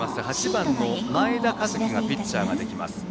８番の前田一輝がピッチャーができます。